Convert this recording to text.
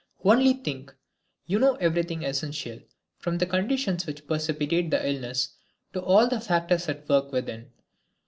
Only think! You know everything essential, from the conditions which precipitate the illness to all the factors at work within.